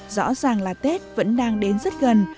rõ ràng là tết vẫn đang đến rất gần